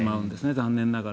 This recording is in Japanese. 残念ながら。